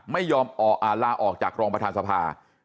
ไม่ยอมลาออกจากรองประธานสภา